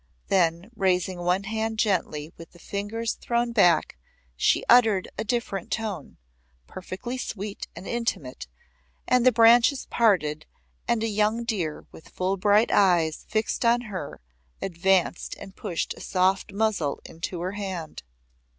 Then, raising one hand gently with the fingers thrown back she uttered a different note, perfectly sweet and intimate, and the branches parted and a young deer with full bright eyes fixed on her advanced and pushed a soft muzzle into her hand.